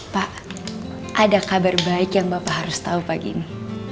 pak ada kabar baik yang bapak harus tahu pagi ini